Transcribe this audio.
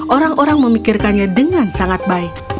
orang orang memikirkannya dengan sangat baik